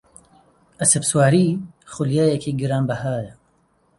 ئەسپسواری خولیایەکی گرانبەهایە.